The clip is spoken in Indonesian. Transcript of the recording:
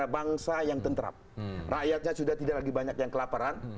pak soeharto sebagai penyelamat